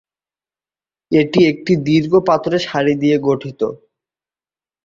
এটি একটি দীর্ঘ পাথরের সারি নিয়ে গঠিত।